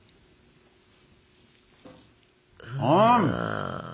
ああ！